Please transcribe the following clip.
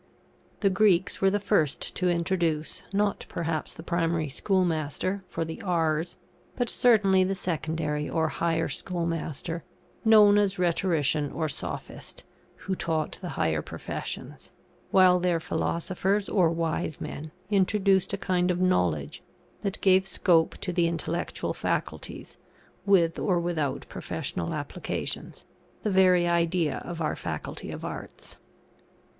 The Greeks were the first to introduce, not perhaps the primary schoolmaster, for the R's, but certainly the secondary or higher schoolmaster, known as Rhetorician or Sophist, who taught the higher professions; while their Philosophers or wise men, introduced a kind of knowledge that gave scope to the intellectual faculties, with or without professional applications; the very idea of our Faculty of Arts.